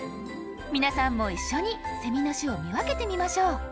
皆さんも一緒にセミの種を見分けてみましょう。